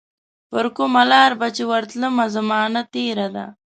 پرکومه لار به چي ورتلمه، زمانه تیره ده